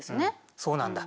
そうなんだ。